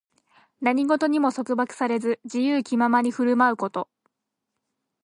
何事にも束縛されず、自由気ままに振る舞うこと。